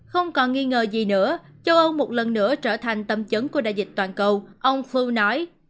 không còn nghi ngờ gì nữa châu âu một lần nữa trở thành tâm chấn của đại dịch toàn cầu ông ful nói